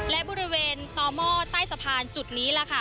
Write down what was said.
และบริเวณต่อหม้อใต้สะพานจุดนี้ล่ะค่ะ